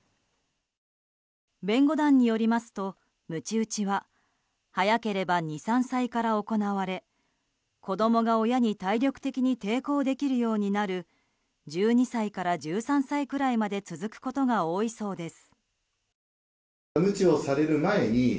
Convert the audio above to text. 弁護団によりますと、鞭打ちは早ければ２３歳から行われ子供が親に体力的に抵抗できるようになる１２歳から１３歳くらいまで続くことが多いそうです。